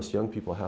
tôi nghĩ là